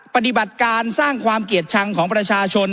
ปฏิบัติการสร้างความเกลียดชังของประชาชน